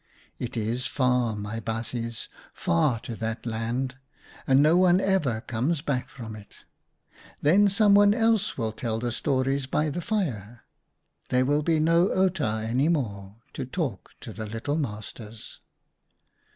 It is far, my baasjes, far to that land, and no one ever comes back from it. Then someone else will tell the stories by the fire : there will be no Outa any more to talk to the little masters."